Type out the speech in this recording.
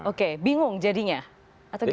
oke bingung jadinya atau gimana